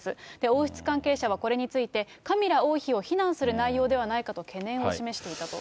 王室関係者はこれについて、カミラ王妃を非難する内容ではないかと、懸念を示していたと。